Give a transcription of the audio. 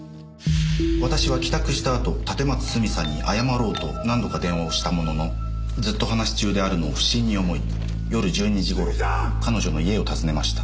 「私は帰宅したあと立松スミさんに謝ろうと何度か電話をしたもののずっと話し中であるのを不審に思い夜１２時頃彼女の家を訪ねました」